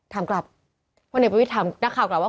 ถามกลับพลเอกประวิทย์ถามนักข่าวกลับว่า